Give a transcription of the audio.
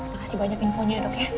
terima kasih banyak infonya ya dok ya